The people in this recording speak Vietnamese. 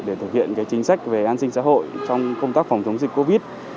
để thực hiện chính sách về an sinh xã hội trong công tác phòng chống dịch covid